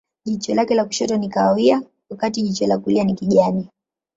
Jicho lake la kushoto ni kahawia, wakati jicho la kulia ni kijani.